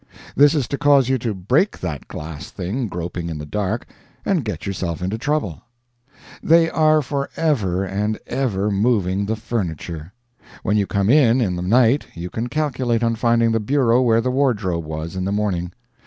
This is to cause you to break that glass thing, groping in the dark, and get yourself into trouble. They are for ever and ever moving the furniture. When you come in in the night you can calculate on finding the bureau where the wardrobe was in the morning.